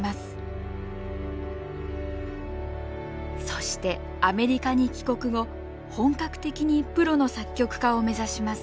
そしてアメリカに帰国後本格的にプロの作曲家を目指します。